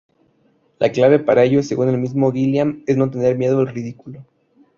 La clave para ello, según el mismo Gilliam, es no tener miedo al ridículo.